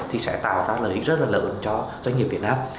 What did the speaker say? thì sẽ tạo ra lợi ích rất là lớn cho doanh nghiệp việt nam